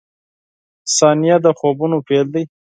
• ثانیه د خوبونو پیل دی.